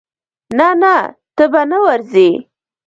نه نه ته به نه ورزې.